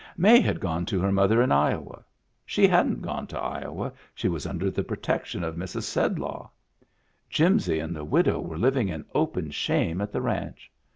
May had gone to her mother in Iowa. She hadn't gone to Iowa ; she was under the protection of Mrs. Sed law. Jimsy and the widow were living in open shame at the ranch.